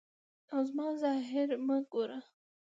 او زما ظاهر مه ګوره.